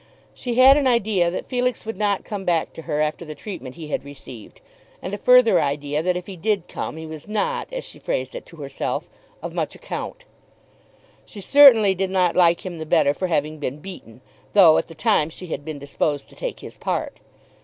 She had an idea that Felix would not come back to her after the treatment he had received; and a further idea that if he did come he was not, as she phrased it to herself, "of much account." She certainly did not like him the better for having been beaten, though, at the time, she had been disposed to take his part.